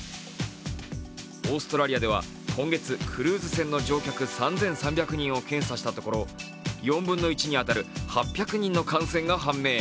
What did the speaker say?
オーストラリアでは今月、クルーズ船の乗客３３００人を検査したところ、４分の１に当たる８００人の感染が判明。